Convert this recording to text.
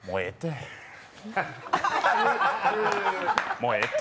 もうええて。